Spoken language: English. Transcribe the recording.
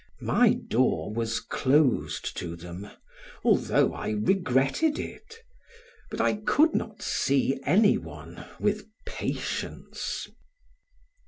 My door was closed to them, although I regretted it; but I could not see any one, with patience.